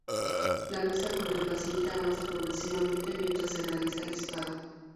La mesa con el paciente avanza progresivamente mientras se realiza el disparo.